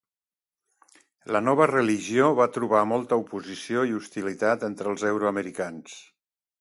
La nova religió va trobar molta oposició i hostilitat entre els euro-americans.